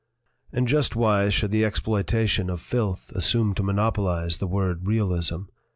"And just why should the exploitation of filth assume to monopolize the word 'realism'?